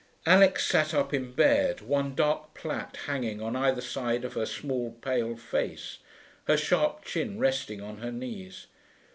Alix sat up in bed, one dark plait hanging on either side of her small pale face, her sharp chin resting on her knees.